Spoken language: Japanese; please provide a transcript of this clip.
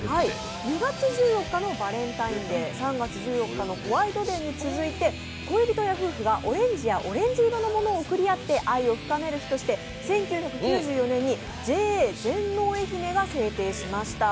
２月１４日のバレンタインデー、３月１４日のホワイトデーに続いて、恋人や夫婦がオレンジやオレンジ色の物を贈り合って愛を深める日として、１９９４年にＪＡ全農えひめが制定しました。